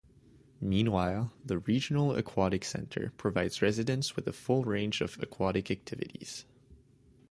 Meanwhile, the Regional Aquatic Centre provides residents with a full range of aquatic activities.